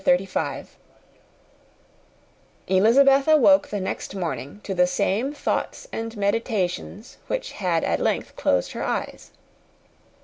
Elizabeth awoke the next morning to the same thoughts and meditations which had at length closed her eyes.